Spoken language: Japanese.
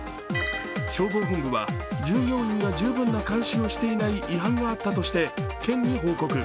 消防本部は従業員が十分な監視をしていない違反があったとして県に報告。